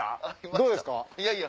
どうですか？